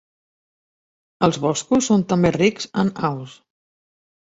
Els boscos són també rics en aus.